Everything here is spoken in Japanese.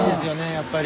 やっぱり。